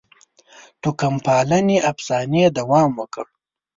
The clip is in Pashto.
توکم پالنې افسانې دوام وکړ.